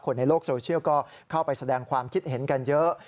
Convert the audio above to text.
ในโลกโซเชียลก็เข้าไปแสดงความคิดเห็นกันเยอะ